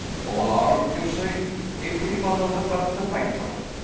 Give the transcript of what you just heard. "All armed, you say?" "Every one of them but the piper.